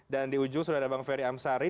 dan di ujung sudah ada bang ferry amsari